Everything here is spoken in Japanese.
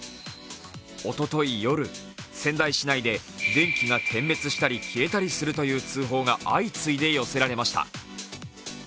おととい夜、仙台市内で電気が点滅したり、消えたりするという通報が相次いで寄せられました。